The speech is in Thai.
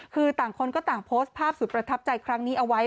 คือต่างคนก็ต่างโพสต์ภาพสุดประทับใจครั้งนี้เอาไว้